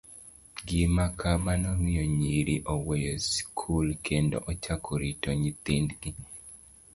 Gima kama nomiyo nyiri oweyo skul kendo ochako rito nyithindgi.